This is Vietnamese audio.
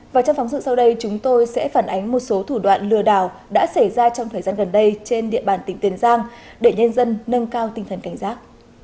và trong phóng sự sau đây chúng tôi sẽ phản ánh một số thủ đoạn lừa đảo đã xảy ra trong thời gian gần đây trên địa bàn tỉnh tiền giang để nhân dân nâng cao tinh thần cảnh giác